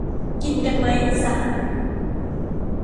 กินกันมั้ยสหาย